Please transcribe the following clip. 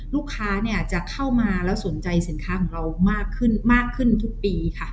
ลูกค้าจะเข้ามาแล้วสนใจสินค้าของเรามากขึ้นทุกปีค่ะ